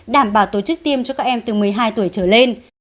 đảm bảo tổ chức tiêm cho các em từ một mươi hai tuổi trở lên